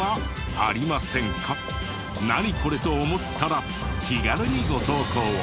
「ナニコレ？」と思ったら気軽にご投稿を。